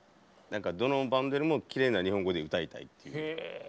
何かどのバンドよりもきれいな日本語で歌いたいって。